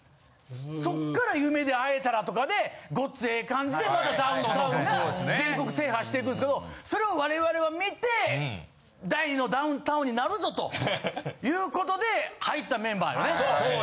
そっから『夢で逢えたら』とかで『ごっつええ感じ』でまたダウンタウンが全国制覇していくんですけどそれを我々は見て。ということで入ったメンバーよね。